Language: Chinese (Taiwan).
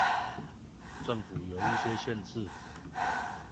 政府有一些限制